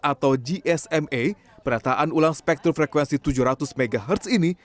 atau gsma penataan ulang spektrum frekuensi tujuh ratus mhz ini